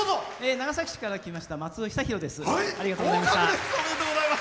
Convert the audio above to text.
長崎市から来ましたまつおです。